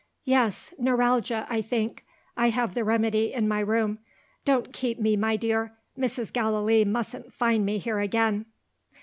"Yes neuralgia, I think. I have the remedy in my room. Don't keep me, my dear. Mrs. Gallilee mustn't find me here again."